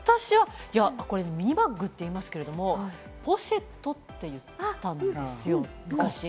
ミニバッグっていいますけど、ポシェットって言ってたんですよ、昔。